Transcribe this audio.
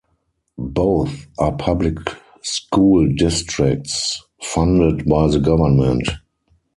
Both are public school districts, funded by the government.